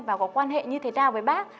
và có quan hệ như thế nào